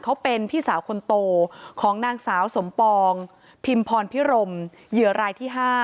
เขาเป็นพี่สาวคนโตของนางสาวสมปองพิมพรพิรมเหยื่อรายที่๕